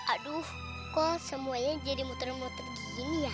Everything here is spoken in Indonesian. aduh kok semuanya jadi muter muter gini ya